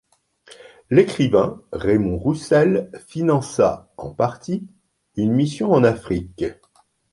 L'écrivain Raymond Roussel finança en partie une mission en Afrique.